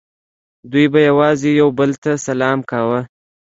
دوی به یوازې یو بل ته سلام کاوه